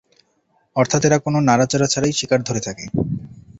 অর্থাৎ এরা কোন নাড়াচাড়া ছাড়াই শিকার ধরে থাকে।